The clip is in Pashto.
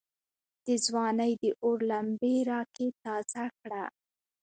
دځوانۍ داور لمبي را کې تازه کړه